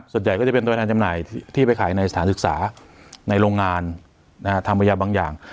ส่วนใหญ่ก็จะเป็นตัวแทนจำหน่ายที่ไปขายในสถานศึกษาในโรงงานทำพยานบางอย่าง